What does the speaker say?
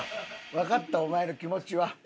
わかったお前の気持ちは。